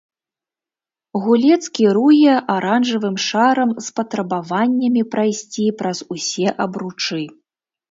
Гулец кіруе аранжавым шарам з патрабаваннямі прайсці праз усе абручы.